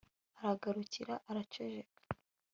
aragarukira, araceceka